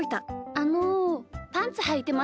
あのパンツはいてますか？